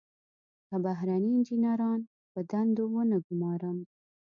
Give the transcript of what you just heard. که بهرني انجنیران په دندو ونه ګمارم.